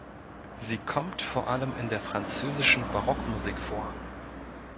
Sie kommt vor allem in der französischen Barockmusik vor.